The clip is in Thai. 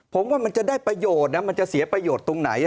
ผมว่ามันจะได้ประโยชน์นะมันจะเสียประโยชน์ตรงไหน